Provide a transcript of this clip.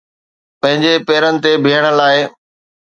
پنهنجي پيرن تي بيهڻ لاءِ